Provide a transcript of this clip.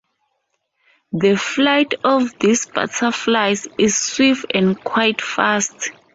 The flight of these butterflies is swift and quite fast.